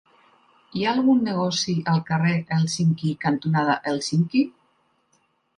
Hi ha algun negoci al carrer Hèlsinki cantonada Hèlsinki?